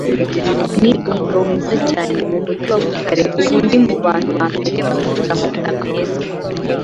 ni umugore mwiza cyane, mu mugi wa Butare ubu ndi mu bantu ba mbere bacuruza amavuta meza